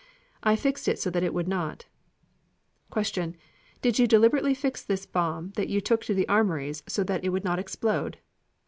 I fixed it so that it would not. Q. Did you deliberately fix this bomb that you took to the Armories so that it would not explode?